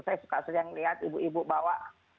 saya suka sering lihat ibu ibu bawa